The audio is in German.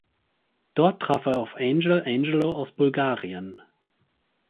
Dort traf er auf Angel Angelow aus Bulgarien.